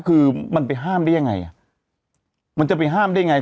คือมันไปห้ามได้ยังไงอ่ะมันจะไปห้ามได้ไง